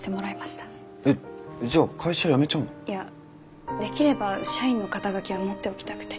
いやできれば社員の肩書は持っておきたくて。